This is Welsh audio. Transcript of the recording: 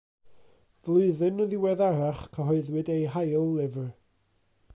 Flwyddyn yn ddiweddarach cyhoeddwyd ei hail lyfr.